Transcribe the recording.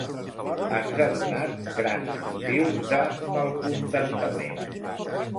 Ens ha donat grans motius de malcontentament.